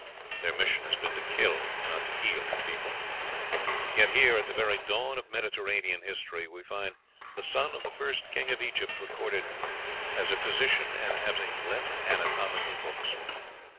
Their mission has been to kill, not to heal the people; yet here, at the very dawn of Mediterranean history, we find the son of the first king of Egypt recorded "as a physician, and as having left anatomical books."